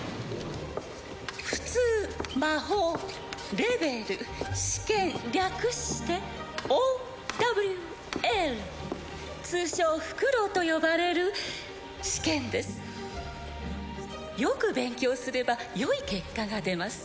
普通魔法レベル試験略してＯ・Ｗ・Ｌ通称フクロウと呼ばれる試験ですよく勉強すればよい結果が出ます